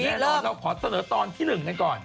แน่นอนเราขอเสนอตอนที่๑กันก่อน